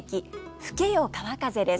「吹けよ川風」です。